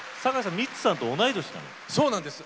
ミッツさんと同い年なんですか。